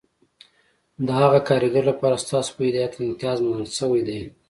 د هغه کارګر لپاره ستاسو په هدایت امتیاز منل شوی دی